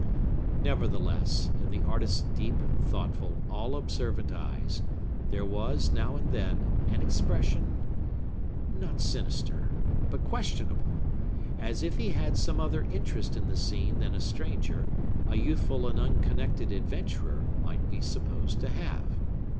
Nevertheless, in the artist's deep, thoughtful, all observant eyes, there was, now and then, an expression, not sinister, but questionable; as if he had some other interest in the scene than a stranger, a youthful and unconnected adventurer, might be supposed to have.